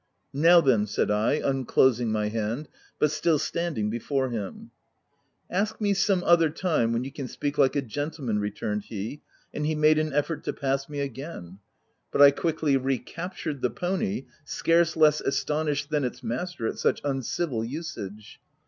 u Now then/' said I, unclosing my hand, but still standing before him. "Ask me some other time, when you can speak like a gentleman," returned he, and he made an effort to pass me again ; but I quickly re captured the pony scarce less astonished than its master at such uncivil usage.